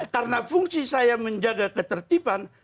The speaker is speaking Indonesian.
karena fungsi saya menjaga ketertiban